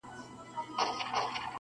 څو ټپې نمکیني څو غزل خواږه خواږه لرم.